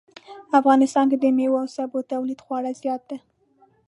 افغانستان کې د میوو او سبو تولید خورا زیات ده